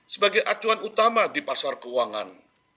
sebagai acuan utama di pasar keuangan